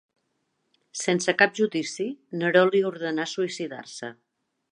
Sense cap judici, Neró li ordenà suïcidar-se.